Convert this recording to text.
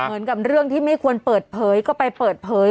เหมือนกับเรื่องที่ไม่ควรเปิดเผยก็ไปเปิดเผย